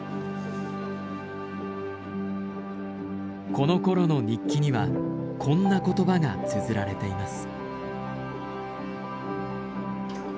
このころの日記にはこんな言葉がつづられています。